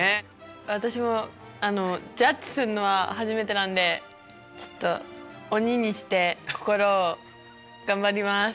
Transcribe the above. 私もジャッジするのは初めてなんでちょっと鬼にして心を頑張ります。